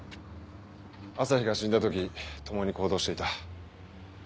朝陽が死んだ時共に行動していた。